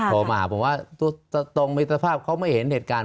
โทรมาหาผมว่าตรงมิตรภาพเขาไม่เห็นเหตุการณ์